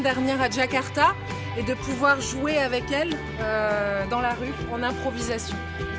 dan juga dapat bermain dengan mereka di jalanan dan dalam improvisasi